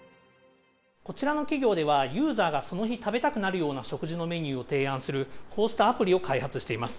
こちらの企業では、ユーザーがその日食べたくなるような食事のメニューを提案する、こうしたアプリを開発しています。